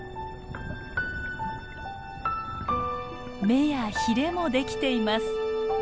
目やヒレもできています。